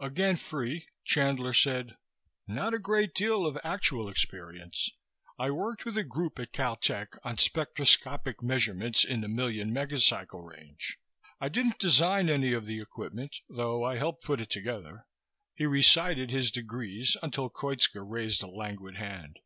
Again free, Chandler said, "Not a great deal of actual experience. I worked with a group at Caltech on spectroscopic measurements in the million megacycle range. I didn't design any of the equipment, though I helped put it together." He recited his degrees until Koitska raised a languid hand.